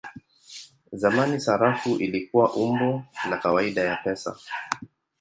Zamani sarafu ilikuwa umbo la kawaida ya pesa.